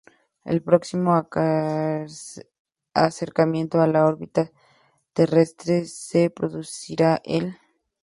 El próximo acercamiento a la órbita terrestre se producirá el.